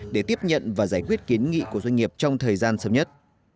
để tiếp nhận và giải quyết kiến nghị của doanh nghiệp trong thời gian sớm nhất